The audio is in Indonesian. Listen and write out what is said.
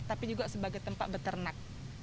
tapi juga sebagai tempat beternak